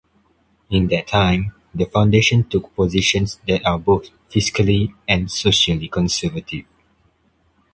In that time, the foundation took positions that are both fiscally and socially conservative.